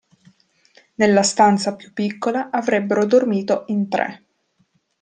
Nella stanza più piccola avrebbero dormito in tre.